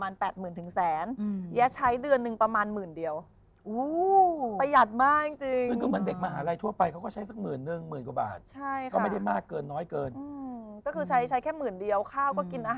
เงินเท่านี้